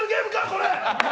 これ！